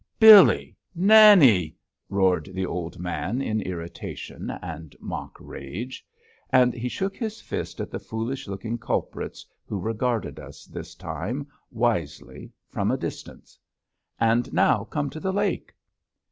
"Billy, Nanny!" roared the old man in irritation and mock rage; and he shook his fist at the foolish looking culprits who regarded us this time, wisely, from a distance. "And now come to the lake!"